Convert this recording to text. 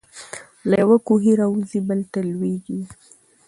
له یوه کوهي را وزي بل ته لوېږي.